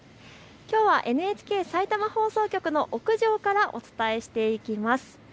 きょうはＮＨＫさいたま放送局の屋上からお伝えしていきます。